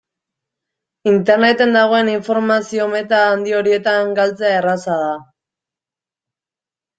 Interneten dagoen informazio-meta handi horietan galtzea erraza da.